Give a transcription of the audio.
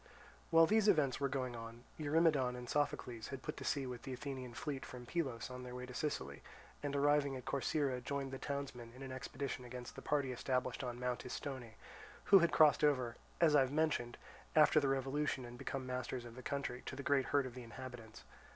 While these events were going on, Eurymedon and Sophocles had put to sea with the Athenian fleet from Pylos on their way to Sicily and, arriving at Corcyra, joined the townsmen in an expedition against the party established on Mount Istone, who had crossed over, as I have mentioned, after the revolution and become masters of the country, to the great hurt of the inhabitants.